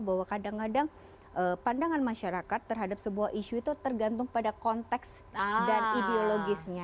bahwa kadang kadang pandangan masyarakat terhadap sebuah isu itu tergantung pada konteks dan ideologisnya